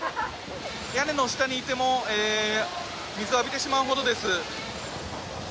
屋根の下にいても水を浴びてしまうほどです。